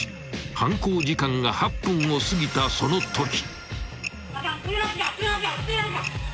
［犯行時間が８分をすぎたそのとき］